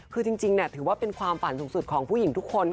คือจริงถือว่าเป็นความฝันสูงสุดของผู้หญิงทุกคน